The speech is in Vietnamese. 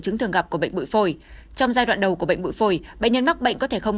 trường hợp của bệnh bụi phổi trong giai đoạn đầu của bệnh bụi phổi bệnh nhân mắc bệnh có thể không